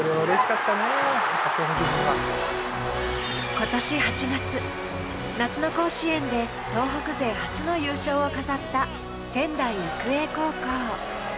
今年８月、夏の甲子園で東北勢初の優勝を飾った仙台育英高校。